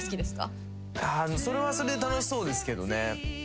それはそれで楽しそうですけどね。